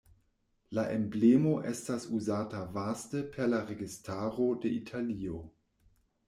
La emblemo estas uzata vaste per la registaro de Italio.